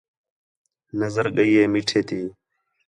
نظر ڳئی ہِے میٹھے تی